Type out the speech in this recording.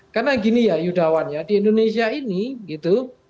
karena gini ya yudawan ya di indonesia ini gitu